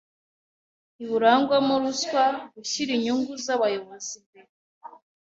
ntiburangwamo ruswa, gushyira inyungu z’abayobozi imbere